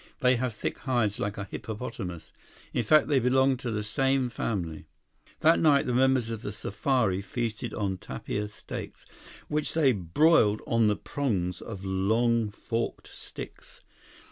They have thick hides like a hippopotamus. In fact, they belong to the same family." That night, the members of the safari feasted on tapir steaks, which they broiled on the prongs of long, forked sticks.